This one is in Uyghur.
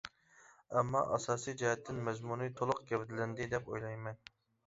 ئەمما، ئاساسىي جەھەتتىن مەزمۇنى تولۇق گەۋدىلەندى دەپ ئويلايمەن.